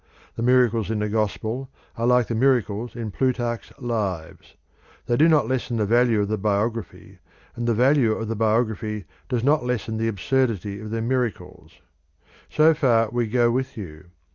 The miracles in the gospels are like the miracles in Plutarch's Lives; they do not lessen the value of the biography, and the value of the biography does not lessen the absurdity of the miracles. So far we go with you.